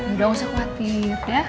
udah usah khawatir ya